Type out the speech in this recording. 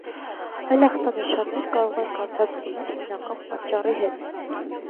Այլ ախտանշաններ կարող են կապված լինել հիմնական պատճառի հետ։